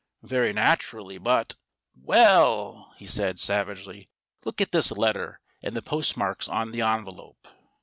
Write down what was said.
"Very naturally. But "Well," he said savagely, "look at this letter, and the postmarks on the envelope."